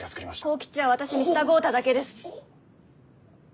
幸吉は私に従うただけです。